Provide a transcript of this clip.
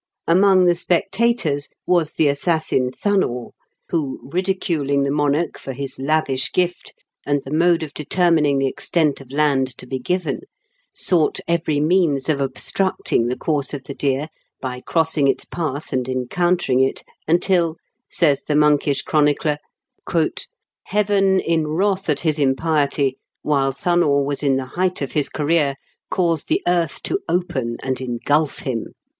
Among the spectators was the assassin Thunnor, who, ridiculing the monarch for his lavish gift and the mode of determining the extent of land to be given, sought every means of obstructing the course of the deer by crossing its path and encountering it, until, says the THE LEGEND OF DOMNEVA. 307 monkish chronicler, " Heaven, in wrath at his impiety, while Thunnor was in the height of his career, caused the earth to open and engulf him."